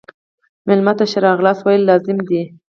مېلمه ته ښه راغلاست ویل لازم دي.